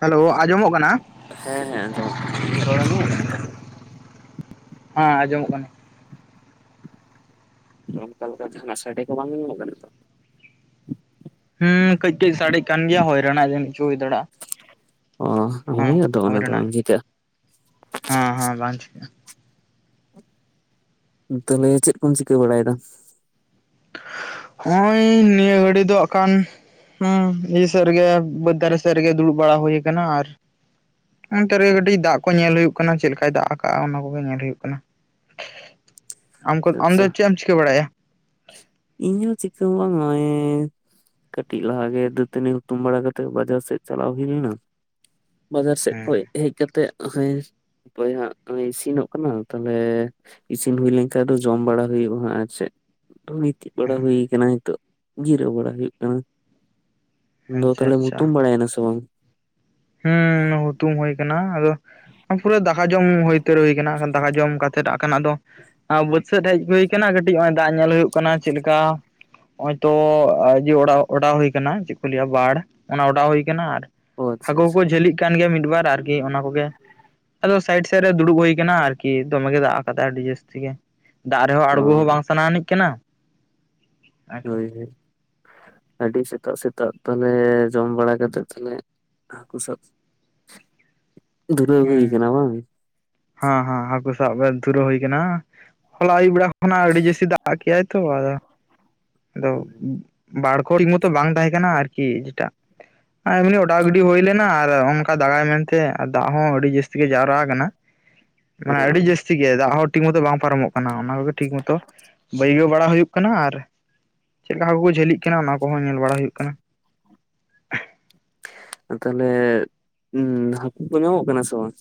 Hello ᱟᱸᱡᱚᱢᱚᱜ ᱠᱟᱱᱟ ᱦᱮᱸ ᱦᱮᱸ ᱟᱸᱡᱚᱢᱚᱜ ᱠᱟᱱᱟ ᱾ᱤᱧᱟᱹᱜ ᱨᱚᱲ ᱟᱸᱡᱚᱢᱚᱜ ᱠᱟᱱᱟ ᱛᱚ ᱾ ᱦᱮᱸ ᱟᱸᱡᱚᱢᱚᱜ ᱠᱟᱱᱟ ᱾ ᱱᱚᱝᱠᱟ ᱢᱤᱫᱴᱮᱡ ᱥᱟᱰᱮ ᱠᱚ ᱵᱟᱝ ᱟᱸᱡᱚᱢᱚᱜ ᱠᱟᱱᱟ ᱛᱚ ᱦᱩᱸ ᱠᱟᱹᱡ ᱠᱟᱹᱡ ᱥᱟᱰᱮ ᱠᱟᱱ ᱜᱮᱭᱟ ᱦᱚᱭ ᱨᱮᱱᱟᱜ ᱡᱟ ᱠᱤᱪᱷᱩ ᱦᱩᱭ ᱫᱟᱲᱮᱭᱟᱜᱼᱟ ᱚ ᱾ ᱦᱚᱸ ᱦᱳᱭ ᱟᱫᱚ ᱦᱩᱭ ᱚᱱᱟ ᱫᱚ ᱨᱮᱱᱟᱜ ᱵᱟᱝ ᱪᱤᱠᱟᱹᱜᱼᱟ ᱦᱮᱸ ᱦᱮᱸ [unintelligible] ᱛᱟᱦᱚᱞᱮ ᱪᱮᱫ ᱠᱚᱢ ᱪᱤᱠᱟᱹ ᱵᱟᱲᱟᱭᱮᱫᱟ? ᱦᱳᱭ ᱱᱤᱭᱟᱹ ᱜᱷᱟᱹᱲᱤ ᱫᱚ ᱠᱷᱟᱱ ᱦᱩᱸ ᱤᱭᱟᱹ ᱥᱮᱫ ᱨᱮᱜᱮ ᱵᱟᱹᱫᱽ ᱫᱟᱨᱮ ᱥᱮᱫ ᱨᱮᱜᱮ ᱫᱩᱲᱩᱵ ᱵᱟᱲᱟ ᱦᱩᱭ ᱟᱠᱟᱱᱟ ᱟᱨ ᱚᱱᱛᱮ ᱨᱮ ᱠᱟᱴᱤᱡ ᱫᱟᱜ ᱠᱚ ᱧᱮᱞ ᱦᱩᱭᱩᱜ ᱠᱟᱱᱟ ᱪᱮᱫ ᱞᱮᱠᱟᱭ ᱫᱟᱜ ᱟᱠᱟᱜᱼᱟ ᱚᱱᱟ ᱠᱚᱜᱮ ᱧᱮᱞ ᱦᱩᱭᱩᱜ ᱠᱟᱱᱟ ᱾ [inaudible] ᱟᱢ ᱠᱚ ᱟᱪᱪᱷᱟ ᱟᱢ ᱫᱚ ᱪᱮᱫ ᱮᱢ ᱪᱤᱠᱟᱹ ᱵᱟᱲᱟᱭᱟ ᱤᱧᱦ ᱦᱚᱸ ᱪᱤᱠᱟᱹ ᱦᱚᱸ ᱵᱟᱝ ᱜᱮ [unintelligible] ᱠᱟᱹᱴᱤᱡ ᱞᱟᱦᱟᱜᱮ ᱫᱟᱹᱛᱟᱹᱱᱤ ᱦᱩᱛᱩᱢ ᱵᱟᱲᱟ ᱠᱟᱛᱮᱫ ᱵᱟᱡᱟᱨ ᱥᱮᱫ ᱪᱟᱞᱟᱣ ᱦᱩᱭ ᱞᱮᱱᱟ ᱾ ᱵᱟᱡᱟᱨ ᱥᱮᱫ ᱦᱮᱸ ᱠᱷᱚᱱ ᱦᱮᱡ ᱠᱟᱛᱮ ᱱᱚᱜᱼᱚᱭ ᱦᱟᱸᱜ ᱤᱥᱤᱱᱚᱜ ᱠᱟᱱᱟ ᱛᱟᱦᱚᱞᱮ ᱤᱥᱤᱱ ᱦᱩᱭ ᱞᱮᱱᱠᱷᱟᱡ ᱫᱚ ᱡᱚᱢ ᱵᱟᱲᱟ ᱦᱩᱭᱩᱜᱼᱟ ᱟᱨ ᱪᱮᱫ ᱪᱮᱫ ᱵᱟᱲᱟ ᱦᱩᱭ ᱠᱟᱱᱟ ᱱᱤᱛᱚᱜ ᱡᱤᱨᱟᱹᱣ ᱵᱟᱲᱟ ᱦᱩᱭᱩᱜ ᱠᱟᱱᱟ ᱫᱚ ᱟᱪᱪᱷᱟ ᱛᱟᱦᱚᱞᱮ ᱦᱩᱛᱩᱢ ᱵᱟᱲᱟᱭᱮᱱᱟ ᱥᱮ ᱵᱟᱝ? ᱦᱮᱸ ᱦᱩᱛᱩᱢ ᱦᱩᱭ ᱟᱠᱟᱱᱟ ᱟᱫᱚ ᱯᱩᱨᱟ ᱫᱟᱠᱟ ᱡᱚᱢ ᱦᱩᱭᱩᱛᱟᱹᱨ ᱦᱩᱭ ᱟᱠᱟᱱᱟ ᱫᱟᱠᱟ ᱡᱚᱢ ᱠᱟᱛᱮ ᱛᱮ ᱫᱟᱜ ᱠᱟᱱᱟ ᱟᱫᱚ ᱵᱟᱹᱫᱽ ᱥᱮᱫ ᱦᱮᱡ ᱦᱩᱭ ᱟᱠᱟᱱᱟ ᱠᱟᱹᱴᱤᱡ ᱱᱚᱜᱼᱚᱭ ᱫᱟᱜ ᱧᱮᱞ ᱦᱩᱭᱩᱜ ᱠᱟᱱᱟ ᱪᱮᱫ ᱞᱮᱠᱟ ᱦᱚᱜᱼᱚᱭ ᱛᱚ ᱡᱮ ᱚᱱᱟ ᱚᱲᱟᱜ ᱦᱩᱭ ᱟᱠᱟᱱᱟ ᱪᱮᱫ ᱠᱚ ᱞᱟᱹᱭᱟ ᱵᱟᱲ ᱚᱱᱟ ᱚᱲᱟᱜ ᱦᱩᱭ ᱟᱠᱟᱱᱟ ᱟᱨ ᱚ ᱟᱪᱪᱷᱟ ᱦᱟᱹᱠᱩ ᱟᱪᱪᱷᱟ ᱠᱚ ᱡᱷᱟᱹᱞᱤ ᱠᱟᱱ ᱜᱮᱭᱟ ᱢᱤᱫ ᱵᱟᱨ ᱟᱨᱠᱤ ᱚᱱᱟ ᱠᱚᱜᱮ ᱟᱫᱚ ᱥᱟᱭᱤᱰ ᱥᱮᱫ ᱨᱮ ᱫᱩᱲᱩᱵ ᱦᱩᱭ ᱟᱠᱟᱱᱟ ᱟᱨᱠᱤ ᱫᱚᱢᱮ ᱜᱮ ᱫᱟᱜ ᱟᱠᱟᱫᱟ ᱟᱹᱰᱤ ᱡᱟᱹᱥᱛᱤ ᱜᱮ ᱫᱟᱜ ᱨᱮᱦᱚᱸ ᱚ ᱟᱬᱜᱚ ᱦᱚᱸ ᱵᱟᱝ ᱥᱟᱱᱟᱱᱤᱡ ᱠᱟᱱᱟ ᱾ ᱦᱳᱭ ᱦᱳᱭ ᱟᱹᱰᱤ ᱥᱮᱛᱟᱜ ᱥᱮᱛᱟᱜ ᱛᱟᱦᱚᱞᱮ ᱡᱚᱢ ᱵᱟᱲᱟ ᱠᱟᱛᱮ ᱛᱟᱦᱚᱞᱮ ᱦᱟᱹᱠᱩ ᱥᱟᱵ ᱫᱷᱩᱨᱟᱹᱣ ᱦᱩᱭ ᱦᱩᱸ ᱠᱟᱱᱟ ᱵᱟᱝ ᱦᱮᱸ ᱦᱮᱸ ᱦᱟᱹᱠᱩ ᱥᱟᱵ ᱫᱷᱩᱨᱟᱣ ᱦᱩᱭ ᱟᱠᱟᱱᱟ ᱾ ᱦᱚᱞᱟ ᱟᱹᱭᱩᱵ ᱵᱮᱲᱟ ᱠᱷᱚᱱᱟᱜ ᱟᱹᱰᱤ ᱡᱟᱹᱥᱛᱤ ᱫᱟᱜ ᱠᱮᱟᱭ ᱛᱚ [unintelligible] ᱟᱫᱚ ᱵᱟᱲ ᱠᱚᱦᱚ ᱴᱷᱤᱠ ᱢᱚᱛᱚ ᱵᱟᱝ ᱛᱟᱦᱮᱸ ᱠᱟᱱᱟ ᱟᱨᱠᱤ ᱡᱮᱴᱟ ᱟᱨ ᱮᱢᱱᱤ ᱚᱰᱟᱣ ᱜᱤᱰᱤ ᱦᱩᱭ ᱞᱮᱱᱟ ᱟᱨ ᱚᱝᱠᱟ ᱫᱟᱜᱟᱭ ᱢᱮᱱᱛᱮ ᱟᱨ ᱫᱟᱜ ᱦᱚᱸ ᱟᱹᱰᱤ ᱡᱟᱹᱥᱛᱤ ᱜᱮ ᱡᱟᱣᱨᱟ ᱟᱠᱟᱱᱟ ᱾ [inaudible] ᱢᱟᱱᱮ ᱟᱹᱰᱤ ᱡᱟᱹᱥᱛᱤ ᱪᱤᱠᱟᱹᱭᱟ ᱫᱟᱜ ᱦᱚᱸ ᱴᱷᱤᱠ ᱢᱚᱛᱚ ᱵᱟᱝ ᱯᱟᱨᱚᱢᱚᱜ ᱠᱟᱱᱟ ᱚᱱᱟ ᱠᱚᱜᱮ ᱴᱷᱤᱠ ᱢᱚᱛᱚ ᱵᱟᱹᱭᱜᱟᱹᱣ ᱵᱟᱲᱟ ᱦᱩᱭᱩᱜ ᱠᱟᱱᱟ ᱟᱨ ᱪᱮᱫ ᱞᱮᱠᱟ ᱦᱟᱹᱠᱩ ᱠᱚ ᱡᱷᱟᱹᱞᱤᱜ ᱠᱟᱱᱟ ᱚᱱᱟ ᱠᱚᱦᱚᱸ ᱧᱮᱞ ᱵᱟᱲᱟ ᱦᱩᱭᱩᱜ ᱠᱟᱱᱟ ᱾ ᱛᱟᱦᱚᱞᱮ ᱦᱟᱹᱠᱩ ᱠᱚ ᱧᱟᱢᱚᱜ ᱠᱟᱱᱟ ᱥᱮ ᱵᱟᱝ?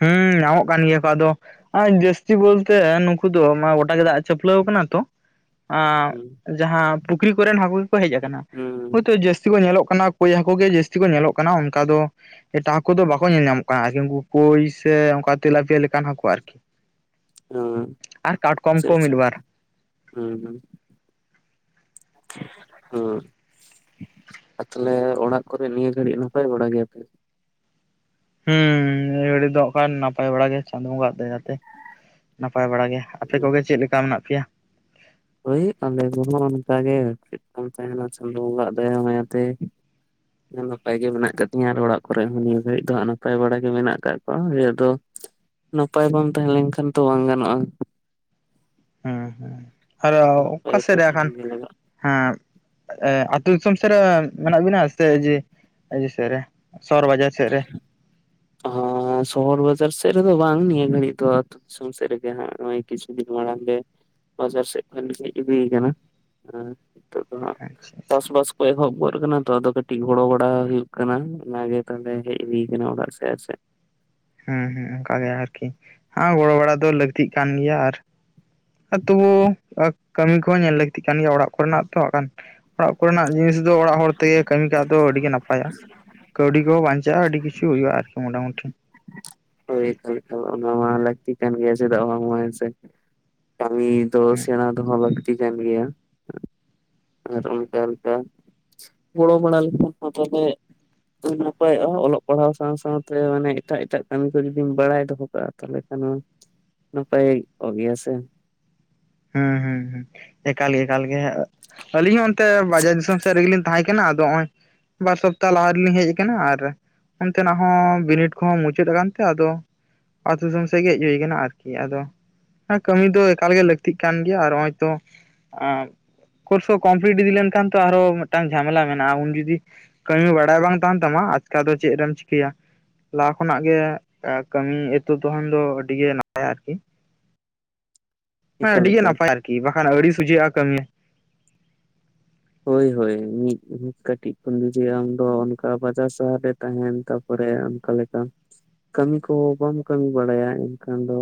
ᱦᱮᱸ ᱧᱟᱢᱚᱜ ᱠᱟᱱ ᱜᱮᱭᱟ ᱠᱚ ᱟᱫᱚ ᱟᱨ ᱡᱟᱹᱥᱛᱤ ᱵᱚᱞᱛᱮ ᱱᱩᱠᱩ ᱫᱚ, ᱜᱚᱴᱟ ᱜᱮ ᱫᱟᱜ ᱪᱷᱟᱹᱯᱞᱟᱹᱣ ᱠᱟᱱᱟ ᱛᱚ ᱦᱩᱸ ᱟᱸᱻᱡᱟᱦᱟᱸ ᱯᱩᱠᱷᱨᱤ ᱠᱚᱨᱮᱱ ᱦᱟᱹᱠᱳ ᱜᱮ ᱠᱚ ᱦᱮᱡ ᱠᱟᱱᱟ ᱦᱩᱸ ᱦᱚᱭᱛᱳ ᱡᱟᱹᱥᱛᱤ ᱡᱟᱹᱥᱛᱤ ᱠᱚ ᱧᱮᱞᱚᱜ ᱠᱟᱱᱟ ᱠᱚᱭ ᱦᱟᱹᱠᱳ ᱜᱮ, ᱡᱟᱹᱥᱛᱤ ᱠᱚ ᱧᱮᱞᱚᱜ ᱠᱟᱱᱟ ᱚᱱᱠᱟ ᱫᱚ, ᱮᱴᱟᱜ ᱦᱟᱹᱠᱳ ᱫᱚ ᱵᱟᱠᱚ ᱧᱮᱞ ᱧᱟᱢᱚᱜ ᱠᱟᱱᱟ ᱟᱨᱠᱤ ᱩᱱᱠᱩ ᱠᱳᱭ ᱥᱮ ᱚᱱᱠᱟ ᱛᱮᱞᱟᱯᱤᱭᱟ ᱞᱮᱠᱟᱱ ᱦᱟᱹᱠᱳ ᱟᱨᱠᱤ ᱦᱩᱸ ᱟᱨ ᱠᱟᱴᱠᱚᱢ ᱠᱚ ᱢᱤᱫ ᱵᱟᱨ᱾ ᱦᱩᱸᱻᱦᱩᱸᱻ᱾ ᱦᱮᱸ ᱟᱨ ᱛᱟᱦᱚᱞᱮ ᱚᱲᱟᱜ ᱠᱚᱨᱮ ᱱᱤᱭᱟᱹ ᱜᱷᱟᱹᱲᱤᱡ ᱱᱟᱯᱟᱭ ᱵᱟᱲᱟ ᱜᱮᱭᱟ ᱯᱮ? ᱦᱩᱸ ᱱᱤᱭᱟᱹ ᱜᱷᱟᱹᱲ ᱫᱚ ᱠᱟᱱ ᱱᱟᱯᱟᱭ ᱵᱟᱲᱟ ᱜᱮ ᱪᱟᱸᱫᱳ ᱵᱚᱸᱜᱟ ᱫᱟᱭᱟ ᱛᱮ ᱱᱟᱯᱟᱭ ᱵᱟᱲᱟ ᱜᱮ ᱾ ᱟᱯᱮ ᱠᱚᱜᱮ ᱪᱮᱫ ᱞᱮᱠᱟ ᱢᱮᱱᱟᱜ ᱯᱮᱭᱟ? ᱦᱳᱭ ᱟᱞᱮ ᱠᱚᱦᱚᱸ ᱚᱱᱠᱟ ᱜᱮ ᱪᱮᱫ ᱠᱟᱢ ᱛᱟᱦᱮᱸᱱᱟ, ᱪᱟᱸᱫᱳ ᱵᱚᱸᱜᱟ ᱟᱜ ᱫᱭᱟ ᱢᱟᱭᱟᱛᱮ ᱱᱟᱯᱟᱭ ᱜᱮ ᱢᱮᱱᱟᱜ ᱠᱟᱫᱤᱧᱟ ᱟᱨ ᱚᱲᱟᱜ ᱠᱚᱨᱮᱜ ᱦᱚᱸ ᱱᱤᱭᱟᱹ ᱜᱷᱟᱲᱤᱡ ᱫᱚ ᱱᱟᱯᱟᱭ ᱵᱟᱲᱟ ᱜᱮ ᱢᱮᱱᱟᱜ ᱠᱟᱜ ᱠᱚᱣᱟ ᱟᱫᱚ ᱱᱟᱯᱟᱭ ᱵᱟᱢ ᱛᱟᱦᱮᱸ ᱞᱮᱱᱠᱷᱟᱱ ᱛᱚ ᱵᱟᱝ ᱜᱟᱱᱚᱜᱼᱟ ᱾ ᱦᱮᱸᱻᱦᱮᱸᱻ, ᱟᱫᱚ ᱱᱟᱯᱟᱭ ᱛᱚ ᱚᱠᱟᱥᱮᱜ ᱨᱮ ᱛᱟᱦᱮᱸ ᱟᱠᱷᱟᱱ ᱜᱮ ᱞᱟᱜᱟᱜᱼᱟ ᱦᱟᱸ ᱮᱸ ᱟᱹᱛᱩᱳ ᱫᱤᱥᱚᱢ ᱥᱮᱜ ᱨᱮ ᱢᱮᱱᱟᱜ ᱵᱤᱱᱟ ᱥᱮ, ᱡᱮ ᱤᱭᱟᱹ ᱥᱮᱜ ᱨᱮ ᱥᱚᱦᱚᱨ ᱵᱟᱡᱟᱨ ᱥᱮᱜ ᱨᱮ? ᱮᱸᱻ ᱥᱚᱦᱚᱨ ᱵᱟᱡᱟᱨ ᱥᱮᱜ ᱨᱮᱫᱚ ᱵᱟᱝ, ᱱᱤᱭᱟᱹ ᱜᱷᱟᱹᱲᱡ ᱫᱚ ᱟᱛᱩ ᱫᱤᱥᱚᱢ ᱥᱮᱜ ᱨᱮᱜᱮ ᱦᱟᱸᱜ ᱱᱚᱜᱼᱚᱭ ᱠᱤᱪᱷᱩ ᱫᱤᱱ ᱢᱟᱲᱟᱝ ᱜᱮ, ᱵᱟᱡᱟᱨ ᱥᱮᱜ ᱠᱷᱚᱱ ᱦᱮᱡ ᱦᱩᱭ ᱠᱟᱱᱟ ᱾ ᱦᱮᱸ ᱱᱤᱛᱚᱜ ᱫᱚ ᱦᱟᱸᱜ ᱟᱪᱪᱷᱟ ᱟᱪᱪᱷᱟ ᱪᱟᱥ ᱵᱟᱥ᱾ ᱮᱦᱚᱵ ᱜᱚᱫ ᱠᱟᱱᱟ ᱛᱚ ᱟᱫᱚ ᱠᱟᱹᱴᱤᱡ ᱜᱚᱲᱚ ᱵᱟᱲᱟ ᱦᱩᱭᱩᱜ ᱠᱟᱱᱟ, ᱚᱱᱟᱜᱮ ᱛᱟᱦᱚᱞᱮ ᱦᱮᱡ ᱦᱩᱭ ᱠᱟᱱᱟ ᱚᱲᱟᱜ ᱥᱮᱜ ᱯᱮ ᱥᱮᱜ ᱦᱮᱸᱻᱦᱮᱸᱻ ᱚᱱᱠᱟ ᱜᱮ ᱟᱨᱠᱤ, ᱦᱮᱸ ᱜᱚᱲᱚ ᱵᱟᱲᱟ ᱫᱚ ᱞᱟᱹᱠᱛᱤᱜ ᱠᱟᱱ ᱜᱮᱭᱟ ᱟᱨ ᱛᱚᱵᱩ ᱠᱟᱹᱢᱤ ᱠᱚᱦᱚᱸ ᱧᱮᱞ ᱞᱟᱹᱠᱛᱤᱜ ᱠᱟᱱ ᱜᱮᱭᱟ ᱚᱲᱟᱜ ᱠᱚᱨᱮᱱᱟᱜ ᱛᱚ ᱟᱠᱷᱟᱱᱼᱼ ᱚᱲᱟᱜ ᱠᱚᱨᱮᱱᱟᱜ ᱡᱤᱱᱤᱥ ᱫᱚ ᱚᱲᱟᱜ ᱦᱚᱲ ᱛᱮᱜᱮ, ᱠᱟᱹᱢᱤ ᱠᱟᱜ ᱫᱚ ᱟᱹᱰᱤᱜᱮ ᱱᱟᱯᱟᱭᱟ ᱾ ᱠᱟᱹᱣᱰᱤ ᱠᱚᱦᱚᱸ ᱵᱟᱧᱪᱟᱜᱼᱟ ᱟᱹᱰᱤ ᱠᱤᱪᱷᱩ ᱦᱩᱭᱩᱜᱼᱟ ᱟᱨᱠᱤ ᱢᱚᱴᱟᱢᱩᱴᱤ ᱾ ᱦᱳᱭ ᱦᱚᱳᱭᱛᱚ ᱚᱱᱟ ᱢᱟ ᱞᱟᱹᱠᱛᱤ ᱠᱟᱱ ᱜᱮᱭᱟ ᱪᱮᱫᱟᱜ ᱵᱟᱝᱢᱟ ᱦᱮᱸᱥᱮ ᱠᱟᱹᱢᱤ ᱛᱚ ᱦᱮᱸ ᱥᱮᱬᱟ ᱫᱚᱦᱚᱸ ᱞᱟᱹᱠᱛᱤ ᱠᱟᱱ ᱜᱮᱭᱟ ᱾ ᱟᱨ ᱚᱱᱠᱟ ᱚᱱᱠᱟ ᱜᱚᱲᱚᱢ ᱦᱟᱲᱟᱢ ᱠᱟᱛᱷᱟ ᱦᱚᱛᱮ ᱛᱮ ᱱᱟᱯᱟᱭᱚᱜᱼᱟ, ᱚᱞᱚᱜ ᱯᱟᱲᱦᱟᱣ ᱥᱟᱶ ᱥᱟᱶᱛᱮ ᱢᱟᱱᱮ ᱮᱴᱟᱜ ᱮᱴᱟᱜ ᱠᱟᱹᱢᱤ ᱠᱚ ᱡᱩᱫᱤᱢ ᱵᱟᱲᱟᱭ ᱫᱚᱦᱚ ᱠᱟᱜᱼᱟ ᱾ ᱛᱟᱦᱚᱞᱮ ᱱᱟᱯᱟᱭ ᱚᱜ ᱜᱮᱭᱟᱥᱮ ᱦᱩᱸᱻᱦᱩᱸᱻ ᱮᱠᱟᱞ ᱜᱮ ᱮᱠᱟᱞ ᱜᱮ ᱟᱹᱞᱤᱧ ᱦᱚᱸ ᱛᱮ ᱵᱟᱡᱟᱨ ᱫᱤᱥᱚᱢ ᱥᱮᱜ ᱨᱮᱜᱮᱞᱤᱧ ᱛᱟᱦᱮᱸ ᱠᱟᱱᱟ ᱟᱫᱚ, ᱦᱚᱜᱼᱚᱭ ᱵᱟᱨ ᱥᱚᱯᱛᱟ ᱞᱟᱦᱟ ᱨᱮᱞᱤᱧ ᱦᱮᱡ ᱠᱟᱱᱟ ᱟᱨ ᱚᱱᱛᱮᱱᱟᱜ ᱦᱚᱸ ᱵᱤᱱᱤᱰ ᱠᱚᱦᱚᱸ ᱢᱩᱪᱟᱹᱫ ᱟᱠᱟᱱᱛᱮ ᱟᱫᱚ ᱟᱹᱛᱩ ᱫᱤᱥᱚᱢ ᱥᱮᱫ ᱜᱮ ᱦᱮᱡ ᱦᱩᱭ ᱠᱟᱱᱟ ᱟᱨᱠᱤ ᱟᱫᱚ, ᱠᱟᱹᱢᱤ ᱫᱚ ᱮᱠᱟᱞᱜᱮ ᱞᱟᱹᱠᱛᱤ ᱾ ᱞᱟᱹᱠᱛᱤᱜ ᱠᱟᱱ ᱜᱮᱭᱟ ᱟᱨ ᱱᱚᱜᱚᱭ ᱛᱚ ᱠᱳᱨᱥ ᱦᱚ ᱠᱚᱢᱯᱞᱤᱴ ᱤᱫᱤ ᱞᱮᱱᱠᱷᱟᱱ ᱛᱚ, ᱟᱨᱦᱚ ᱢᱤᱫᱴᱟᱝ ᱡᱷᱟᱢᱮᱞᱟ ᱢᱮᱱᱟᱜᱼᱟ ᱩᱱ ᱡᱩᱫᱤ ᱠᱟᱹᱢᱤ ᱵᱟᱲᱟᱭ ᱵᱟᱝ ᱛᱟᱦᱮᱸᱱ ᱛᱟᱢᱟ ᱟᱪᱠᱟ ᱫᱚ ᱪᱮᱫ ᱨᱮᱢ ᱪᱤᱠᱟᱹᱭᱟ ᱾ ᱞᱟᱦᱟ ᱠᱷᱚᱱᱟᱜ ᱜᱮ ᱠᱟᱹᱢᱤ ᱮᱛᱚ ᱛᱟᱦᱮᱸᱱ ᱫᱚ ᱟᱹᱰᱤ ᱜᱮ ᱱᱟᱯᱟᱭᱟ ᱟᱨᱠᱤ ᱦᱮᱸ ᱮᱠᱟᱞ ᱟᱹᱰᱤ ᱜᱮ ᱮᱠᱟᱞ ᱱᱟᱯᱟᱭ ᱟᱨᱠᱤ ᱵᱟᱠᱷᱟᱱ ᱟᱹᱲᱤ ᱥᱚᱡᱷᱮᱜᱼᱟ ᱠᱟ. ᱢᱤ ᱦᱳᱭᱻᱦᱳᱭ ᱢᱤᱫ ᱠᱟᱹᱴᱤᱡ ᱠᱷᱚᱱ ᱜᱮ ᱟᱢ ᱫᱚ ᱚᱱᱠᱟ ᱵᱟᱡᱟᱨ ᱥᱟᱦᱟᱨ ᱨᱮ ᱛᱟᱦᱮᱸᱱ ᱛᱟᱯᱚᱨᱮ ᱚᱱᱠᱟ ᱞᱮᱠᱟ ᱠᱟᱹᱢᱤ ᱠᱚ ᱵᱟᱢ ᱠᱟᱹᱢᱤ ᱵᱟᱲᱟᱭᱟ ᱤᱱᱠᱷᱟᱱ ᱫᱚ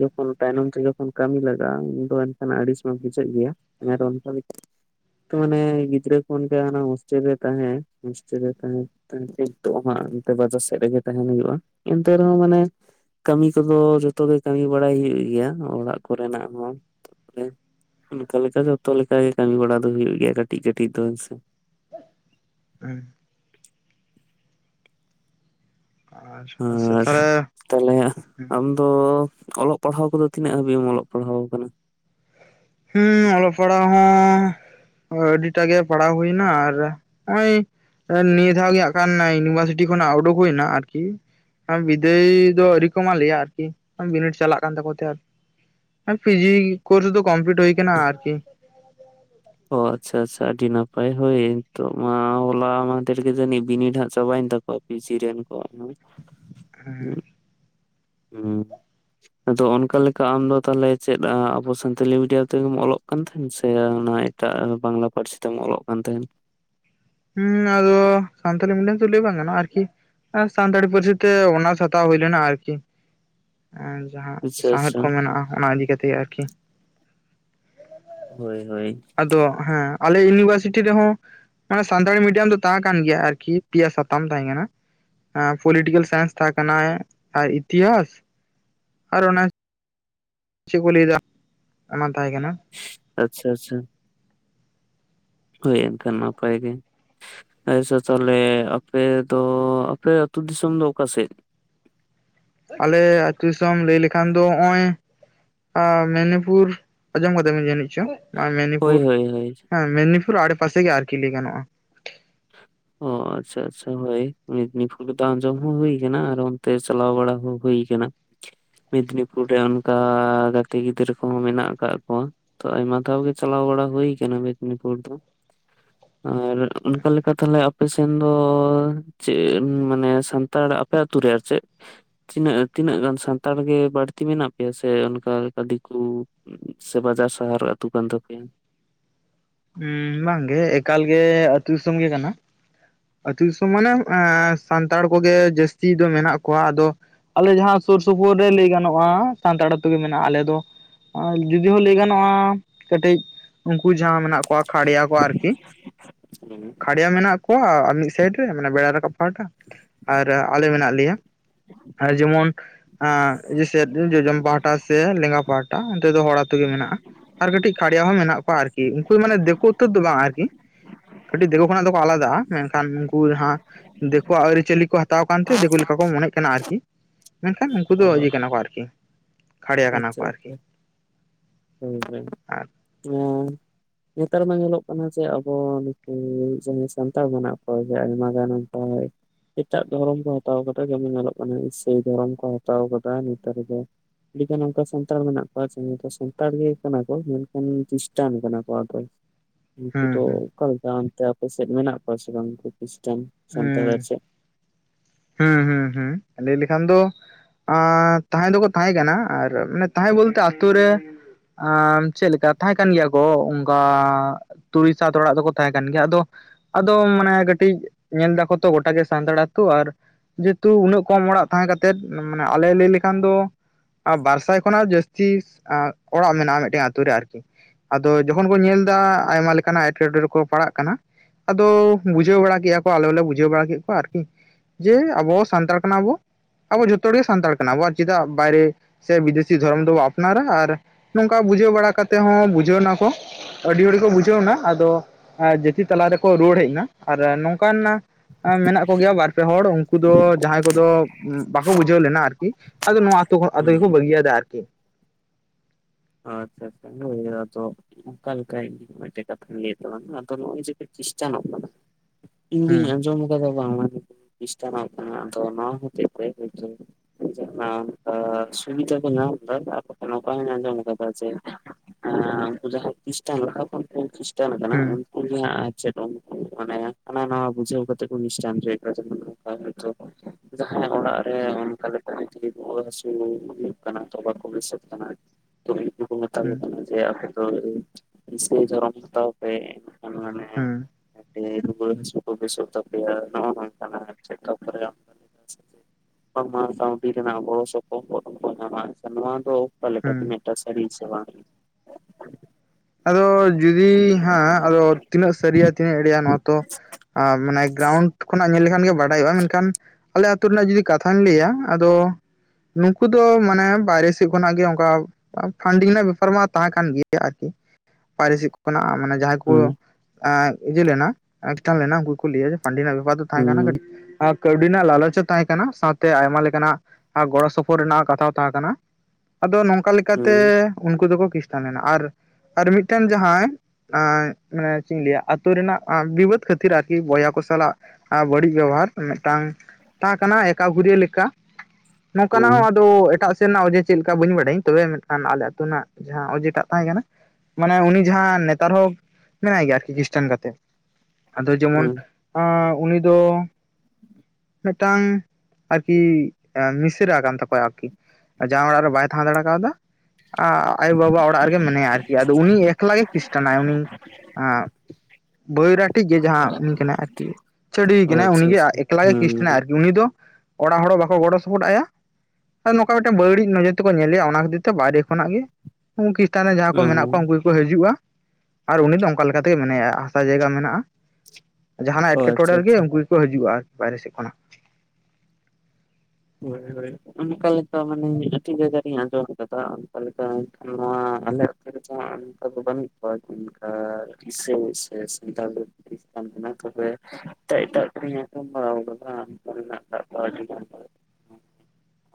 ᱡᱚᱠᱷᱚᱱ ᱛᱟᱭᱱᱚᱢ ᱛᱮ ᱡᱚᱠᱷᱚᱱ ᱠᱟᱹᱢᱤ ᱞᱟᱸᱜᱟᱜᱼᱟ ᱩᱱᱫᱚ ᱮᱱᱠᱷᱟᱱ ᱟᱹᱲᱤᱥ ᱢᱟ ᱵᱩᱡᱷᱟᱹᱜ ᱜᱮᱭᱟ ᱟᱨ ᱚᱱᱠᱟ ᱛᱚ ᱚᱱᱮ ᱜᱤᱫᱽᱨᱟᱹ ᱠᱷᱚᱱ ᱜᱮ ᱦᱟᱸᱱᱟ ᱦᱚᱥᱴᱮᱞ ᱨᱮ ᱛᱟᱦᱮᱸ ᱦᱚᱥᱴᱮᱞ ᱨᱮ ᱛᱟᱦᱮᱸ ᱱᱤᱛᱚᱜ ᱦᱟᱸᱜ ᱵᱟᱡᱟᱨ ᱥᱮᱜ ᱨᱮᱜᱮ ᱛᱟᱦᱮᱸᱱ ᱦᱩᱭᱩᱜᱼᱟ ᱮᱱᱛᱮ ᱨᱮᱦᱚᱸ ᱢᱟᱱᱮ- ᱠᱟᱹᱢᱤ ᱠᱚᱫᱚ ᱡᱚᱛᱚ ᱜᱮ ᱠᱟᱹᱢᱤ ᱵᱟᱲᱟᱭ ᱦᱩᱭᱩᱜ ᱜᱮᱭᱟ ᱚᱲᱟᱜ ᱠᱚᱨᱮᱱᱟᱜ ᱦᱚᱸ ᱾ ᱨᱮ ᱚᱱᱠᱟ ᱞᱮᱠᱟ ᱡᱚᱛᱚ ᱞᱮᱠᱟᱜᱮ ᱜᱮ ᱠᱟᱹᱢᱤ ᱵᱟᱲᱟ ᱫᱚ ᱦᱩᱭᱩᱜ ᱜᱮᱭᱟ ᱠᱟᱹᱴᱤᱡ ᱠᱟᱹᱴᱤᱡ ᱫᱚ ᱦᱮᱸᱥᱮ ᱦᱩᱸᱻ, ᱟᱨ ᱟᱪᱪᱷᱟ ᱟᱨ ᱛᱟᱦᱚᱞᱮ ᱛᱟᱦᱚᱞᱮ ᱟᱢ ᱛᱚ ᱚᱞᱚᱜ ᱯᱟᱲᱦᱟᱣ ᱠᱚᱫᱚ ᱛᱤᱱᱟᱹᱜ ᱦᱟᱹᱵᱤᱡ ᱮᱢ ᱚᱞᱚᱜ ᱯᱟᱲᱦᱟᱣ ᱠᱟᱱᱟ? ᱦᱩᱸ ᱚᱞ ᱯᱟᱲᱟᱣ ᱦᱚᱸ ᱟᱹᱰᱤᱴᱟ ᱜᱮ ᱯᱟᱲᱦᱟᱣ ᱦᱩᱭᱱᱟ ᱟᱨ ᱱᱚᱜᱼᱚᱭ ᱟᱨ ᱱᱤᱭᱟᱹ ᱫᱷᱟᱣ ᱜᱮ ᱦᱟᱜ ᱠᱷᱟᱱ ᱤᱭᱩᱱᱤᱵᱷᱟᱨᱥᱤᱴᱤ ᱠᱷᱚᱱᱟᱜ ᱩᱰᱩᱠ ᱦᱩᱭᱱᱟ ᱟᱨᱠᱤ ᱟᱨ ᱵᱤᱫᱟᱹᱭ ᱫᱚ ᱟᱹᱣᱨᱤ ᱠᱚ ᱮᱢᱟᱞᱮᱭᱟ ᱟᱨᱠᱤ ᱵᱤᱱᱤᱴ ᱪᱟᱞᱟᱜ ᱠᱟᱱ ᱛᱟᱠᱚ ᱛᱮ ᱟᱨᱠᱤ ᱟᱨ ᱯᱤᱡᱤ ᱠᱳᱨᱥ ᱫᱚ ᱠᱚᱢᱯᱞᱤᱴ ᱦᱩᱭ ᱠᱟᱱᱟ ᱟᱨᱠᱤ ᱚ ᱟᱪᱪᱷᱟ ᱟᱪᱪᱷᱟ ᱟᱹᱰᱤ ᱱᱟᱯᱟᱭ ᱦᱳᱭ ᱱᱤᱛᱚᱜ ᱢᱟ ᱦᱚᱞᱟ ᱢᱟᱦᱫᱮᱨ ᱜᱮ ᱡᱟᱹᱱᱤᱡ ᱵᱤᱱᱤᱰ ᱦᱟᱸᱜ ᱪᱟᱵᱟᱭᱮᱱ ᱛᱟᱠᱚᱣᱟ ᱯᱤ ᱥᱤ ᱨᱮᱱ ᱠᱚ ᱦᱮᱸ ᱦᱩᱸ ᱟᱫᱚ ᱚᱱᱠᱟ ᱞᱮᱠᱟ ᱟᱢᱫᱚ ᱛᱟᱦᱞᱮ ᱪᱮᱫ ᱟᱵᱚ ᱥᱟᱱᱛᱟᱞᱤ ᱢᱤᱰᱤᱭᱟᱢ ᱛᱮᱜᱮᱢ ᱚᱞᱚᱜ ᱠᱟᱱ ᱛᱟᱦᱮᱫ ᱥᱮ ᱚᱱᱟ ᱮᱴᱟᱜ ᱵᱟᱝᱞᱟ ᱯᱟᱹᱨᱥᱤ ᱛᱮᱢ ᱚᱞᱚᱜ ᱠᱟᱱ ᱛᱟᱦᱮᱫ ᱦᱮᱸ ᱟᱫᱚ ᱥᱟᱱᱛᱟᱞᱤ ᱢᱤᱰᱤᱭᱟᱢ ᱫᱚ ᱞᱟᱹᱭ ᱵᱟᱝ ᱜᱟᱱᱚᱜᱼᱟ ᱟᱨᱠᱤ ᱥᱟᱱᱛᱟᱲᱤ ᱯᱟᱹᱨᱥᱤ ᱛᱮ ᱚᱱᱟᱨᱥ ᱦᱟᱛᱟᱣ ᱦᱩᱭ ᱞᱮᱱᱟ ᱟᱨᱠᱤ ᱮᱸ ᱡᱟᱦᱟᱸ ᱟᱪᱪᱷᱟ ᱥᱟᱶᱦᱮᱫ ᱟᱪᱪᱷᱟ ᱠᱚ ᱢᱮᱱᱟᱜ-ᱟ ᱚᱱᱟ ᱤᱫᱤ ᱠᱟᱛᱮ ᱜᱮ ᱟᱨᱠᱤ ᱦᱳᱭ ᱦᱳᱭ ᱟᱫᱚ ᱦᱮᱸ ᱟᱞᱮ ᱤᱭᱩᱱᱤᱵᱷᱟᱨᱥᱤᱴᱤ ᱨᱮᱦᱚᱸ ᱢᱟᱱᱮ ᱥᱟᱱᱛᱟᱲᱤ ᱢᱤᱰᱤᱭᱟᱢ ᱫᱚ ᱛᱟᱦᱮᱸ ᱠᱟᱱ ᱜᱮᱭᱟ ᱟᱨᱠᱤ ᱯᱮᱭᱟ ᱥᱟᱛᱟᱢ ᱛᱟᱦᱮᱸ ᱠᱟᱱᱟ ᱯᱚᱞᱤᱴᱤᱠᱮᱞ ᱥᱟᱭᱮᱱᱥ ᱛᱟᱦᱮᱸ ᱠᱟᱱᱟ ᱟᱨ ᱤᱛᱤᱦᱟᱥ ᱟᱨ ᱚᱱᱮ ᱪᱮᱫ ᱠᱚ ᱞᱟᱹᱭ ᱮᱫᱟ ᱟᱱᱟ ᱛᱟᱦᱮᱸ ᱠᱟᱱᱟ ᱟᱪᱪᱷᱟ ᱟᱪᱪᱷᱟ ᱦᱳᱭ ᱮᱱᱠᱷᱟᱱ ᱱᱟᱯᱟᱭ ᱜᱮ ᱟᱪᱪᱷᱟ ᱛᱟᱦᱚᱞᱮ ᱟᱯᱮ ᱫᱚ ᱟᱯᱮ ᱟᱹᱛᱩ ᱫᱤᱥᱚᱢ ᱫᱚ ᱚᱠᱟ ᱥᱮᱫ ᱟᱞᱮ ᱟᱹᱛᱩ ᱫᱤᱥᱚᱢ ᱞᱟᱹᱭ ᱞᱮᱠᱷᱟᱱ ᱫᱚ ᱱᱚᱜ-ᱚᱭ ᱟᱨ ᱢᱮᱱᱤᱯᱩᱨ ᱟᱸᱡᱚᱢ ᱠᱟᱫᱟ ᱵᱤᱱ ᱡᱟᱹᱱᱤᱡ ᱪᱚ ᱦᱳᱭ ᱢᱮᱱᱤᱯᱩᱨ ᱦᱳᱭ ᱦᱳᱭ ᱦᱮᱸ ᱢᱮᱱᱱᱤᱯᱩᱨ ᱟᱲᱮ ᱯᱟᱥᱮ ᱜᱮ ᱟᱨᱠᱤ ᱞᱟᱹᱭ ᱜᱟᱱᱚᱜᱼᱟ ᱚ ᱚ ᱟᱪᱪᱷᱟ ᱟᱪᱪᱷᱟ ᱦᱳᱭ ᱢᱤᱫᱽᱱᱤ ᱯᱩᱨ ᱟᱸᱡᱚᱢ ᱦᱚᱸ ᱦᱩᱭ ᱠᱟᱱᱟ ᱟᱨ ᱚᱱᱛᱮ ᱪᱟᱞᱟᱣ ᱵᱟᱲᱟ ᱦᱚᱸ ᱦᱩᱭ ᱟᱠᱟᱱᱟ ᱢᱮᱫᱽᱱᱤᱯᱩᱨ ᱨᱮ ᱚᱱᱠᱟ ᱜᱟᱛᱮ ᱜᱤᱫᱽᱨᱟᱹ ᱠᱚ ᱦᱚᱸ ᱢᱮᱱᱟᱜ ᱟᱠᱟᱫ ᱠᱚᱣᱟ ᱛᱚ ᱟᱭᱢᱟ ᱫᱷᱟᱣ ᱜᱮ ᱪᱟᱞᱟᱣ ᱵᱟᱲᱟ ᱦᱩᱭ ᱟᱠᱟᱱᱟ ᱢᱮᱫᱽᱱᱤᱯᱩᱨ ᱫᱚ ᱟᱨ ᱚᱱᱠᱟ ᱞᱮᱠᱟ ᱛᱟᱦᱚᱞᱮ ᱟᱯᱮ ᱥᱮᱱ ᱫᱚ ᱪᱮᱫ ᱢᱟᱱᱮ ᱥᱟᱱᱛᱟᱲ ᱟᱯᱮ ᱟᱹᱛᱩ ᱨᱮ ᱟᱨ ᱪᱮᱫ ᱛᱤᱱᱟᱹᱜ ᱛᱤᱱᱟᱹᱜ ᱜᱟᱱ ᱥᱟᱱᱛᱟᱲ ᱜᱮ ᱵᱟᱹᱲᱛᱤ ᱢᱮᱱᱟᱜ ᱯᱮᱭᱟ ᱥᱮ ᱚᱱᱠᱟ ᱫᱤᱠᱩ ᱥᱮ ᱵᱟᱡᱟᱨ ᱥᱟᱦᱟᱨ ᱟᱹᱛᱩ ᱠᱟᱱ ᱛᱟᱯᱮᱭᱟ ᱮᱸ ᱵᱟᱝ ᱜᱮ ᱮᱠᱟᱞ ᱜᱮ ᱟᱹᱛᱩ ᱫᱤᱥᱚᱢ ᱜᱮ ᱠᱟᱱᱟ ᱟᱹᱛᱩ ᱫᱤᱥᱚᱢ ᱢᱟᱱᱮ ᱥᱟᱱᱛᱟᱲ ᱠᱚ ᱜᱮ ᱡᱟᱹᱥᱛᱤ ᱫᱚ ᱢᱮᱱᱟᱜ ᱠᱚᱣᱟ ᱟᱫᱚ ᱟᱞᱮ ᱡᱟᱦᱟᱸ ᱥᱩᱨ ᱥᱩᱯᱩᱨ ᱨᱮ ᱞᱟᱹᱭ ᱜᱟᱱᱚᱜ-ᱟ ᱥᱟᱱᱛᱟᱲ ᱟᱹᱛᱩ ᱜᱮ ᱢᱮᱱᱟᱜ-ᱟ ᱟᱞᱮ ᱫᱚ ᱟᱨ ᱡᱩᱫᱤ ᱦᱚᱸ ᱞᱟᱹᱭ ᱜᱟᱱᱚᱜ-ᱟ ᱠᱟᱹᱴᱤᱡ ᱩᱱᱠᱩ ᱡᱟᱦᱟᱸ ᱢᱮᱱᱟᱜ ᱠᱚ ᱠᱚ ᱠᱷᱟᱲᱭᱟ ᱠᱚ ᱟᱨᱠᱤ ᱠᱷᱟᱲᱭᱟ ᱢᱮᱱᱟᱜ ᱠᱚ ᱠᱚᱣᱟ ᱢᱤᱫ ᱥᱟᱭᱤᱰ ᱨᱮ ᱢᱟᱱᱮ ᱵᱮᱲᱟ ᱨᱟᱠᱟᱵ ᱯᱟᱦᱴᱟ ᱟᱨ ᱟᱞᱮ ᱢᱮᱱᱟᱜ ᱞᱮᱭᱟ ᱦᱮᱸ ᱡᱮᱢᱚᱱ ᱟᱸ ᱡᱚ ᱥᱮᱫ ᱡᱚᱡᱚᱢ ᱯᱟᱦᱟᱴᱟ ᱥᱮ ᱞᱮᱸᱜᱟ ᱯᱟᱦᱟᱴᱟ ᱚᱱᱛᱮ ᱫᱚ ᱦᱚᱲ ᱟᱹᱛᱩ ᱜᱮ ᱢᱮᱱᱟᱜ-ᱟ ᱟᱨ ᱠᱟᱹᱴᱤᱡ ᱠᱷᱟᱲᱭᱟ ᱦᱚᱸ ᱢᱮᱱᱟᱜ ᱠᱚᱣᱟ ᱟᱨᱠᱤ ᱩᱱᱠᱩ ᱫᱚ ᱢᱟᱱᱮ ᱫᱤᱠᱩ ᱩᱛᱟᱹᱨ ᱫᱚ ᱵᱟᱝ ᱟᱨᱠᱤ ᱠᱟᱹᱴᱤᱡ ᱫᱤᱠᱩ ᱠᱷᱚᱱᱟᱜ ᱫᱚᱠᱚ ᱟᱞᱟᱫᱟᱜ-ᱟ ᱢᱮᱱᱠᱷᱟᱱ ᱩᱱᱠᱩ ᱡᱟᱦᱟᱸ ᱫᱤᱠᱩᱣᱟᱜ ᱟᱹᱨᱤᱪᱟᱹᱞᱤ ᱠᱚ ᱦᱟᱛᱟᱣ ᱠᱟᱱᱛᱮ ᱫᱤᱠᱩ ᱞᱮᱠᱟ ᱠᱚ ᱢᱚᱱᱮᱜ ᱠᱟᱱᱟ ᱟᱨᱠᱤ ᱢᱮᱱᱠᱷᱟᱱ ᱩᱱᱠᱩ ᱚ ᱫᱚ ᱤᱭᱟᱹ ᱠᱟᱱᱟ ᱠᱚ ᱟᱨᱠᱤ ᱠᱷᱟᱲᱭᱟ ᱠᱟᱱᱟ ᱠᱚ ᱟᱪᱪᱷᱟ ᱟᱨᱠᱤ ᱟᱪᱪᱷᱟ ᱮᱸ ᱟᱨ ᱱᱮᱛᱟᱨ ᱢᱟ ᱧᱮᱞᱚᱜ ᱠᱟᱱᱟ ᱡᱮ ᱟᱵᱚ ᱱᱩᱠᱩ ᱡᱟᱦᱟᱸᱭ ᱥᱟᱱᱛᱟᱲ ᱢᱮᱱᱟᱜ ᱠᱚᱣᱟ ᱡᱮ ᱟᱭᱢᱟᱜᱟᱱ ᱚᱱᱠᱟ ᱮᱴᱟᱜ ᱫᱷᱚᱨᱚᱢ ᱠᱚ ᱦᱟᱛᱟᱣ ᱠᱟᱫᱟ ᱡᱮᱢᱚᱱ ᱧᱮᱞᱚᱜ ᱠᱟᱱᱟ ᱤᱥᱟᱹᱭ ᱫᱷᱚᱨᱚᱢ ᱠᱚ ᱦᱟᱛᱟᱣ ᱠᱟᱫᱟ ᱱᱮᱛᱟᱨ ᱫᱚ ᱟᱹᱰᱤᱜᱟᱱ ᱚᱱᱠᱟ ᱥᱟᱱᱛᱟᱲ ᱢᱮᱱᱟᱜ ᱠᱚᱣᱟ [inaudible] ᱥᱟᱱᱛᱟᱲ ᱜᱮ ᱠᱟᱱᱟ ᱠᱚ ᱢᱮᱱᱠᱷᱟᱱ ᱠᱷᱤᱥᱴᱟᱱ ᱠᱟᱱᱟ ᱠᱚ ᱟᱫᱚ ᱩᱱᱠᱩ ᱦᱩᱸ ᱫᱚ ᱦᱩᱸ ᱚᱠᱟ ᱞᱮᱠᱟ ᱚᱱᱛᱮ ᱟᱯᱮ ᱥᱮᱫ ᱢᱮᱱᱟᱜ ᱠᱚᱣᱟ ᱥᱮ ᱵᱟᱝ ᱠᱷᱤᱥᱴᱟᱱ ᱥᱟᱱᱛᱟᱲ ᱦᱩᱸ ᱟᱨ ᱪᱮᱫ ᱦᱩᱸ ᱦᱩᱸ ᱦᱩᱸ ᱞᱟᱹᱭ ᱞᱮᱠᱷᱟᱱ ᱫᱚ ᱟᱸ ᱛᱟᱦᱮᱸ ᱫᱚᱠᱚ ᱛᱟᱦᱮᱸ ᱠᱟᱱᱟ ᱟᱨ ᱢᱟᱱᱮ ᱛᱟᱦᱮᱸ ᱵᱚᱞᱛᱮ ᱟᱹᱛᱩ ᱨᱮ ᱟᱢ ᱪᱮᱫ ᱞᱮᱠᱟ ᱛᱟᱦᱮᱸ ᱠᱟᱱ ᱜᱮᱭᱟ ᱠᱚ ᱚᱱᱠᱟ ᱛᱩᱨᱩᱭ ᱥᱟᱛ ᱚᱲᱟᱜ ᱫᱚ ᱠᱚ ᱛᱟᱦᱮᱸ ᱠᱟᱱ ᱜᱮᱭᱟ ᱟᱫᱚ ᱟᱫᱚ ᱢᱟᱱᱮ ᱠᱟᱹᱴᱤᱡ ᱧᱮᱞ ᱫᱟᱠᱚ ᱛᱚ ᱜᱚᱴᱟ ᱜᱮ ᱥᱟᱱᱛᱟᱲ ᱟᱛᱩ ᱟᱨ ᱡᱮᱛᱩ ᱩᱱᱟᱹᱜ ᱠᱚᱢ ᱚᱲᱟᱜ ᱛᱟᱦᱮᱸ ᱠᱟᱛᱮᱫ ᱢᱟᱱᱮ ᱟᱞᱮ ᱞᱟᱹᱭ ᱞᱮᱠᱷᱟᱱ ᱫᱚ᱾ ᱟᱨ ᱵᱟᱨ ᱥᱟᱭ ᱠᱷᱚᱱᱟᱜ ᱡᱟᱹᱥᱛᱤ ᱚᱲᱟᱜ ᱢᱮᱱᱟᱜ-ᱟ ᱢᱤᱫᱴᱮᱱ ᱟᱛᱩ ᱨᱮ ᱟᱨᱠᱤ᱾ ᱟᱫᱚ ᱡᱚᱠᱷᱚᱱ ᱵᱚᱱ ᱧᱮᱞ ᱮᱫᱟ ᱟᱭᱢᱟ ᱞᱮᱠᱟᱱᱟᱜ ᱮᱴᱠᱮᱴᱚᱬᱮ ᱠᱚ ᱯᱟᱲᱟᱜ ᱠᱟᱱᱟ᱾ ᱟᱫᱚ ᱵᱩᱡᱷᱟᱹᱣ ᱵᱟᱲᱟ ᱠᱮᱫ-ᱟ ᱠᱚ ᱟᱞᱮᱦᱚᱸᱞᱮ ᱵᱩᱡᱷᱟᱹᱣ ᱵᱟᱲᱟ ᱠᱮᱫ ᱠᱚᱣᱟ ᱟᱨᱠᱤ ᱡᱮ ᱟᱵᱚ ᱥᱟᱱᱛᱟᱲ ᱠᱟᱱᱟᱵᱚ ᱟᱵᱚ ᱡᱚᱛᱚ ᱦᱚᱲᱜᱮ ᱥᱟᱱᱛᱟᱲ ᱠᱟᱱᱟ ᱵᱚ ᱟᱨ ᱪᱮᱫᱟᱜ ᱵᱟᱭᱨᱮ᱾ ᱥᱮ ᱵᱤᱫᱮᱥᱤ ᱫᱷᱚᱨᱚᱢ ᱫᱚᱵᱚ ᱟᱯᱱᱟᱨᱟ ᱟᱨ ᱱᱚᱝᱠᱟ ᱵᱩᱡᱷᱟᱹᱣ ᱵᱟᱲᱟ ᱠᱟᱛᱮᱫ ᱦᱚᱸ ᱵᱩᱡᱷᱟᱹᱣ ᱮᱱᱟᱠᱚ᱾ ᱟᱹᱰᱤ ᱟ. ᱰᱤ ᱠᱚ ᱵᱩᱡᱷᱟᱹᱣ ᱮᱱᱟ ᱟᱫᱚ ᱡᱟᱹᱛᱤ ᱛᱟᱞᱟ ᱨᱮᱠᱚ ᱨᱩᱣᱟᱹᱲ ᱦᱮᱡ ᱮᱱᱟ ᱟᱨ ᱱᱚᱝᱠᱟᱱᱟ ᱮᱸ ᱢᱮᱱᱟᱜ ᱠᱚ ᱜᱮᱭᱟ ᱵᱟᱨ ᱯᱮ ᱦᱚᱲ ᱩᱱᱠᱩ ᱫᱚ ᱡᱟᱦᱟᱸᱭ ᱠᱚᱫᱚ ᱵᱟᱠᱚ ᱵᱩᱡᱷᱟᱹᱣ ᱞᱮᱱᱟ ᱟᱨᱠᱤ᱾ ᱟᱫᱚ ᱱᱚᱣᱟ ᱟᱛᱩ ᱦᱚᱲ ᱦᱩᱸ ᱟᱹᱫᱟᱹᱭ ᱠᱚ ᱵᱟᱹᱜᱤᱭᱟᱫᱟ ᱟᱨ᱾ ᱟᱪᱪᱷᱟ ᱟᱪᱪᱷᱟ [inaudible] ᱛᱚ, ᱚᱱᱠᱟ ᱞᱮᱠᱟᱭ ᱢᱤᱫᱴᱮᱡ ᱠᱟᱛᱷᱟᱧ ᱞᱟᱹᱭ ᱛᱟᱞᱟᱝᱼᱟ ᱟᱫᱚ ᱱᱚᱜᱼᱚᱭ ᱡᱮ ᱯᱮ ᱠᱷᱤᱥᱪᱟᱱᱚᱜ ᱠᱟᱱᱟ᱾ ᱤᱧ ᱦᱩᱸ ᱫᱩᱧ ᱟᱸᱡᱚᱢ ᱟᱠᱟᱫᱟ ᱵᱟᱝ ᱢᱟ ᱡᱚᱛᱚ ᱯᱮ ᱠᱷᱤᱥᱪᱟᱱᱚᱜ ᱠᱟᱱᱟ ᱟᱫᱚ ᱱᱚᱣᱟ ᱦᱚᱛᱮᱛ ᱛᱮ [inaudible] ᱡᱟᱸᱦᱟ ᱞᱮᱠᱟ ᱥᱩᱵᱤᱫᱷᱟ ᱠᱚ ᱧᱟᱢ ᱟᱠᱟᱫᱟ, ᱟᱯᱮ ᱥᱮᱱ ᱱᱚᱝᱠᱟ ᱦᱩᱧ ᱟᱸᱡᱚᱢ ᱟᱠᱟᱫᱟ ᱾ [inaudible] ᱩᱱᱠᱩ ᱡᱟᱸᱦᱟᱭ ᱠᱷᱤᱥᱴᱟᱱ ᱨᱟᱠᱟᱵ ᱠᱟᱛᱮ ᱠᱩ ᱠᱷᱤᱥᱴᱟᱱ ᱟᱠᱟᱱᱟ, ᱦᱩᱸ ᱩᱱᱠᱩ ᱚᱱᱮ ᱱᱟᱜ ᱪᱮᱫ [inaudible] ᱢᱟᱱᱮ ᱦᱟᱱᱟ ᱱᱟᱣᱟ ᱵᱩᱡᱷᱟᱹᱶ ᱠᱟᱛᱮ ᱠᱚ ᱠᱷᱤᱥᱴᱟᱱ ᱦᱚᱪᱚ ᱭᱮᱫ ᱠᱚᱣᱟ ᱯᱨᱟᱭᱵᱷᱮᱴ ᱨᱮ ᱡᱟᱦᱟᱸᱭ ᱚᱲᱟᱜ ᱨᱮ ᱚᱱᱠᱟ ᱞᱮᱠᱟ ᱱᱤᱛ ᱜᱮ ᱨᱩᱣᱟᱹ ᱦᱟᱹᱥᱩ ᱦᱩᱭᱩᱜ ᱠᱟᱱᱟ ᱛᱚᱵᱮ ᱠᱚ ᱵᱮᱥᱚᱜ ᱠᱟᱱᱟ᱾ ᱩᱱᱠᱩ ᱠᱚ ᱢᱮᱛᱟ ᱞᱮ ᱦᱩᱸ ᱠᱟᱱᱟ ᱡᱮ ᱟᱯᱮ ᱫᱚ ᱤᱥᱟᱹᱭ ᱫᱷᱚᱨᱚᱢ ᱦᱟᱛᱟᱣ, [inaudible] ᱢᱟᱱᱮ, ᱦᱩᱸ [inaudible] ᱨᱩᱣᱟᱹ ᱦᱟᱹᱥᱩ ᱠᱚ ᱵᱮᱥᱚᱜ ᱛᱟᱯᱮᱭᱟ [inaudible] [inaudible] ᱥᱟᱶᱛᱤ ᱨᱮᱱᱟᱜ ᱜᱚᱲᱚ ᱥᱚᱯᱚ ᱠᱟᱱᱟ ᱟᱵᱚ ᱥᱚᱯᱚ ᱦᱚᱫ ᱵᱚ ᱧᱟᱢᱟ ᱱᱟᱶᱟ ᱫᱚ ᱟᱠᱟᱞᱮᱠᱟ? ᱦᱩᱸ ᱢᱤᱫᱴᱮᱱ ᱥᱟᱹᱨᱲ ᱥᱮ ᱵᱟᱝ? ᱟᱫᱚ ᱡᱩᱫᱤ ᱦᱮᱸ ᱟᱫᱚ ᱛᱤᱱᱟᱹᱜ ᱥᱟᱹᱨᱤᱭᱟ ᱛᱤᱱᱟᱹᱜ ᱮᱲᱮᱭᱟ ᱱᱚᱣᱟ ᱛᱚ, ᱢᱟᱱᱮ ᱜᱨᱟᱣᱩᱱᱰ ᱠᱷᱚᱱᱟᱜ ᱧᱮᱞ ᱞᱮᱠᱷᱟᱱ ᱜᱮ ᱵᱟᱰᱟᱭᱚᱜᱼᱟ ᱢᱮᱱᱠᱷᱟᱱ ᱟᱞᱮ ᱟᱹᱛᱩ ᱨᱮᱱᱟᱜ ᱡᱩᱫᱤ ᱠᱟᱛᱷᱟᱹᱧ ᱞᱟᱹᱭᱟ ᱟᱫᱚ, ᱱᱩᱠᱩ ᱫᱚ ᱢᱟᱱᱮ ᱵᱟᱦᱨᱮ ᱥᱮᱫ ᱠᱷᱚᱱᱟᱜ ᱜᱮ ᱚᱱᱠᱟ, ᱯᱷᱟᱱᱰᱤᱝ ᱨᱮᱱᱟᱜ ᱵᱮᱯᱟᱨ ᱢᱟ ᱛᱟᱸᱦᱮ ᱠᱟᱱ ᱜᱮᱭᱟ ᱟᱨᱠᱤ ᱵᱟᱦᱨᱮ ᱥᱮᱫ ᱠᱷᱚᱱᱟᱜ ᱢᱟᱱᱮ ᱡᱟᱸᱦᱟᱭ ᱦᱩᱸ ᱠᱚ, ᱮ ᱤᱫᱤ ᱞᱮᱱᱟ ᱟᱴᱠᱟᱨ ᱞᱮᱱᱟ ᱩᱱᱠᱩ ᱠᱚ ᱞᱟᱹᱭᱟ ᱯᱷᱟᱱᱰᱤᱝ ᱨᱮᱱᱟᱜ ᱵᱮᱯᱟᱨ ᱫᱚ ᱛᱟᱸᱦᱮ ᱠᱟᱱᱟ ᱦᱩᱸ ᱠᱟᱹᱴᱤᱡ᱾ ᱠᱟᱹᱣᱰᱤ ᱨᱮᱱᱟᱜ ᱞᱟᱞᱚᱪ ᱦᱚ ᱛᱟᱸᱦᱮ ᱠᱟᱱᱟ ᱥᱟᱶᱛᱮ ᱟᱭᱢᱟ ᱞᱮᱠᱟᱱᱟᱜ ᱜᱚᱲᱚ ᱥᱚᱯᱚ ᱨᱮᱱᱟᱜ ᱠᱟᱛᱷᱟ ᱦᱚ ᱛᱟᱸᱦᱮ ᱠᱟᱱᱟ᱾ ᱟᱫᱚ ᱱᱚᱝᱠᱟ ᱞᱮᱠᱟᱛᱮ ᱦᱩᱸ ᱩᱱᱠᱩ ᱫᱚᱠᱚ ᱠᱷᱤᱥᱴᱟᱱ ᱮᱱᱟ ᱟᱨ ᱟᱨ ᱢᱤᱫᱴᱮᱱ ᱡᱟᱸᱦᱟᱭ, ᱢᱟᱱᱮ ᱪᱮᱫ ᱤᱧ ᱞᱟᱹᱭᱟ ᱟᱹᱛᱩ ᱨᱮᱱᱟᱜ ᱵᱤᱵᱟᱹᱫ ᱠᱷᱟᱹᱛᱤᱨ ᱟᱨᱠᱤ ᱵᱚᱭᱦᱟ ᱠᱚ ᱥᱟᱞᱟᱜ, ᱟᱨ ᱵᱟᱹᱲᱤᱡ ᱵᱮᱵᱚᱦᱟᱨ ᱢᱤᱫᱴᱟᱝ ᱛᱟᱸᱦᱮ ᱠᱟᱱᱟ ᱮᱠᱟᱜᱷᱩᱨᱤᱭᱟᱹ ᱞᱮᱠᱟ, ᱱᱚᱝᱠᱟᱱᱟᱜ ᱦᱩᱸ ᱦᱚᱸ ᱟᱫᱚ ᱮᱴᱟᱜ [inaudible] ᱨᱮᱱᱟᱜ ᱚᱡᱮ ᱪᱮᱫ ᱞᱮᱠᱟ ᱵᱟᱹᱧ ᱵᱟᱲᱟᱭᱟ ᱛᱚᱵᱮ ᱟᱞᱮ ᱟᱹᱛᱩ ᱨᱮᱱᱟᱜ ᱡᱟᱸᱦᱟ ᱚᱡᱮᱴᱟᱜ ᱛᱟᱸᱦᱮ ᱠᱟᱱᱟ᱾ ᱢᱟᱱᱮ ᱩᱱᱤ ᱡᱟᱸᱦᱟ ᱱᱮᱛᱟᱨ ᱦᱚᱸ ᱢᱮᱱᱟᱭ ᱜᱮᱭᱟ ᱟᱨᱠᱤ ᱠᱷᱤᱥᱴᱟᱱ ᱠᱟᱛᱮᱜ ᱟᱫᱚ ᱡᱮᱢᱚᱱ, ᱦᱩᱸ ᱦᱚᱸ ᱩᱱᱤ ᱫᱚ, ᱢᱤᱫᱴᱟᱝ ᱟᱨᱠᱤ ᱢᱤᱥᱨᱟ ᱠᱟᱱ ᱛᱟᱠᱚᱣᱟ ᱟᱨᱠᱤ, ᱡᱟᱸᱣᱟᱭ ᱚᱲᱟᱜ ᱨᱮ ᱵᱟᱭ ᱛᱟᱸᱦᱮ ᱫᱟᱲᱮ ᱠᱟᱣᱫᱟ ᱟᱭᱳᱼᱵᱟᱵᱟ ᱚᱲᱟᱜ ᱨᱮᱜᱮ ᱢᱮᱱᱟᱭᱟ ᱟᱨᱠᱤ᱾ ᱟᱫᱚ ᱩᱱᱤ ᱮᱠᱞᱟᱜᱮ ᱠᱷᱤᱥᱴᱟᱱᱟᱭ ᱩᱱᱤ, ᱵᱳᱨᱟᱴᱤᱡ ᱜᱮ ᱡᱟᱸᱦᱟ ᱩᱱᱤ ᱠᱟᱱᱟᱭ ᱟᱨᱠᱤ ᱪᱷᱟᱹᱰᱩᱣ ᱚ ᱠᱟᱱᱟᱭ ᱟᱪᱪᱷᱟ ᱩᱱᱤᱜᱮ ᱟᱪᱪᱷᱟ ᱮᱠᱞᱟ ᱜᱮ ᱠᱷᱤᱥᱴᱱᱟᱭ ᱦᱩᱸ ᱟᱨᱠᱤ, ᱩᱱᱤ ᱫᱚ ᱚᱲᱟᱜ ᱦᱚᱲ ᱦᱚ ᱵᱟᱠᱚ ᱜᱚᱲᱚ ᱥᱚᱯᱚᱴ ᱟᱭᱟ, ᱟᱨ ᱱᱚᱝᱠᱟ ᱢᱤᱫᱴᱮᱱ ᱵᱟᱹᱲᱤᱡ ᱱᱚᱡᱚᱨ ᱛᱮᱠᱚ ᱧᱮᱞᱮᱭᱟ ᱚᱱᱟ ᱠᱷᱟᱹᱛᱤᱨ ᱛᱮ ᱵᱟᱦᱨᱮ ᱠᱷᱚᱱᱟᱜ ᱜᱮ ᱩᱱ ᱠᱷᱤᱥᱴᱟᱱ, ᱡᱟᱦᱟᱸ ᱚ ᱢᱮᱱᱟᱜ ᱠᱚᱣᱟ ᱩᱱᱠᱩ ᱜᱮ ᱠᱚ ᱦᱤᱡᱩᱜᱼᱟ ᱟᱨ ᱩᱱᱤ ᱫᱚ ᱚᱱᱠᱟ ᱞᱮᱠᱟᱛᱮᱜᱮ ᱢᱮᱱᱟᱭᱟ ᱦᱟᱥᱟ ᱡᱟᱭᱜᱟ ᱢᱮᱱᱟᱜᱼᱟ᱾ ᱡᱟᱸᱦᱟᱱᱟᱜ ᱚ ᱮᱴᱠᱮᱴᱚᱬᱮ ᱟᱪᱪᱷᱟ ᱨᱮᱜᱮ ᱟᱪᱪᱷᱟ ᱩᱱᱠᱩ ᱜᱮᱠᱚ ᱦᱤᱡᱩᱜᱼᱟ, ᱵᱟᱦᱨᱮ ᱥᱮᱫ ᱠᱷᱚᱱᱟᱜ, [inaudible] ᱚᱱᱠᱟ ᱞᱮᱠᱟ ᱢᱟᱱᱮ ᱟᱹᱛᱩ ᱡᱟᱭᱜᱟ ᱨᱤᱧ ᱟᱸᱡᱚᱢ ᱟᱠᱟᱫᱟ ᱚᱱᱠᱟ ᱞᱮᱠᱟ ᱱᱚᱣᱟ ᱟᱞᱮ, [inaudible] ᱚᱱᱠᱟ ᱫᱚ ᱵᱟ. ᱱᱩᱜ ᱠᱚᱣᱟ ᱡᱮᱞᱮᱠᱟ ᱤᱥᱟᱹᱤ ᱥᱮ ᱥᱟᱱᱛᱟᱞ᱾ ᱠᱷᱤᱥᱴᱟᱱ ᱠᱟᱱᱟᱭ ᱛᱚᱵᱮ ᱮᱴᱟᱜ ᱠᱩᱫ ᱦᱚᱛᱚ ᱢᱮᱱᱟᱜ ᱠᱟᱜ ᱠᱚᱣᱟ ᱟᱹᱰᱤ ᱜᱟᱱ ᱯᱚᱨᱮ, [inaudible]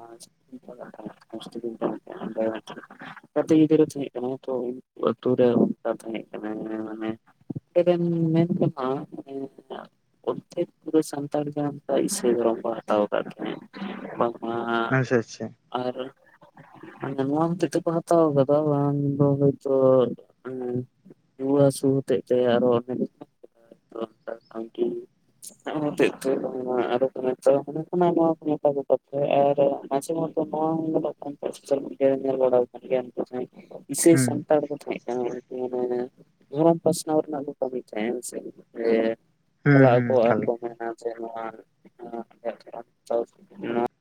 ᱠᱟᱹᱛᱤᱡ ᱜᱤᱫᱽᱨᱟᱹ ᱛᱟᱸᱦᱮ ᱠᱟᱱᱟ ᱛᱚ ᱩᱱᱠᱩ ᱟᱛᱳ ᱨᱮ ᱚᱱᱠᱟ ᱛᱟᱸᱦᱮ ᱠᱟᱱᱟ ᱢᱟᱱᱮ, [inaudible] ᱢᱮᱱ ᱛᱮᱦᱚ [inaudible] ᱚᱨᱫᱷᱮᱠ ᱯᱩᱨᱟᱹ ᱥᱟᱱᱛᱟᱲ ᱜᱮᱱᱟ ᱯᱨᱟᱭ ᱤᱥᱟᱹᱤ ᱫᱷᱚᱨᱚᱢ ᱠᱚ ᱦᱟᱛᱟᱣ ᱟᱠᱟᱫ ᱛᱟᱦᱮᱸᱱᱟ ᱵᱟᱝ, ᱟᱪᱪᱷᱟ ᱟᱪᱪᱷᱟ, ᱟᱨ ᱱᱚᱣᱟ ᱦᱚᱛᱮᱫ ᱛᱮᱠᱚ ᱦᱟᱛᱟᱣ ᱟᱠᱟᱫᱟ ᱵᱟᱝ ᱫᱚ ᱦᱚᱭᱛᱚ, ᱨᱩᱣᱟᱹ ᱦᱟᱹᱥᱩ ᱦᱚᱛᱮᱫ ᱛᱮ ᱟᱨᱦᱚ ᱚᱱᱮ, [unintelligible] ᱢᱚᱴᱟᱢᱩᱴᱤ ᱨᱩᱣᱟᱹ ᱦᱚᱛᱮᱫ ᱵᱟᱝ ᱢᱟ ᱟᱨ ᱦᱚᱠᱚ ᱢᱮᱛᱟ ᱦᱟᱠᱚ ᱠᱟᱱᱟ [unintelligible] [inaudible] ᱟᱨ ᱢᱟᱡᱷᱮ ᱢᱚᱫᱫᱷᱮ ᱱᱚᱣᱟ ᱦᱚ ᱧᱮᱞᱚᱜ ᱠᱟᱱᱟ ᱥᱳᱥᱟᱞᱢᱮᱰᱤᱭᱟ ᱨᱮ ᱧᱮᱞ ᱵᱟᱲᱟ ᱟᱠᱟᱱ ᱜᱮᱭᱟ ᱮᱱᱛᱮ ᱡᱟᱸᱦᱟᱭ, [unintelligible] ᱤᱥᱟᱹᱤ ᱦᱩᱸ ᱥᱚᱢ ᱥᱟᱱᱛᱟᱲ ᱠᱚ ᱛᱟᱸᱦᱮ ᱠᱟᱱᱟ ᱢᱟᱱᱮ ᱫᱷᱚᱨᱚᱢ ᱯᱟᱥᱱᱟᱣ ᱨᱮᱱᱟᱜ ᱡᱷᱚᱛᱚ ᱛᱟᱭᱚᱢ ᱥᱮᱫ ᱜᱮ, ᱦᱩᱸ ᱪᱟᱞᱟᱜ ᱦᱩᱸ ᱟᱠᱚ ᱮᱠᱟᱞ ᱜᱮ ᱟᱨᱠᱚ ᱢᱮᱱᱟ ᱡᱮ ᱱᱚᱣᱟ, ᱟᱞᱮᱭᱟᱜ [unintelligible]